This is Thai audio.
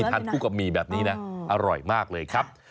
ทานคู่กับหมี่แบบนี้นะอร่อยมากเลยครับ